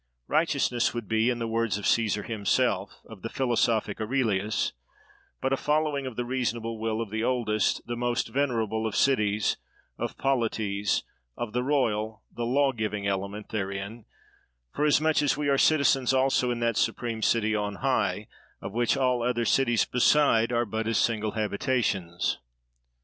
Righteousness would be, in the words of "Caesar" himself, of the philosophic Aurelius, but a "following of the reasonable will of the oldest, the most venerable, of cities, of polities—of the royal, the law giving element, therein—forasmuch as we are citizens also in that supreme city on high, of which all other cities beside are but as single habitations."